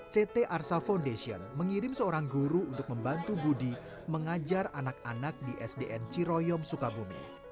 ct arsa foundation mengirim seorang guru untuk membantu budi mengajar anak anak di sdn ciroyom sukabumi